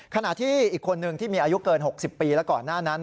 ขณะที่อีกคนนึงที่มีอายุเกิน๖๐ปีแล้วก่อนหน้านั้น